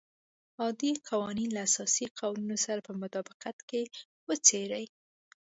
عادي قوانین له اساسي قوانینو سره په مطابقت کې وڅېړي.